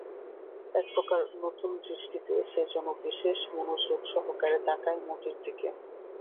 একপ্রকার নূতন দৃষ্টিতে সে যেন বিশেষ মনোযোগ সহকারে তাকায় মতির দিকে।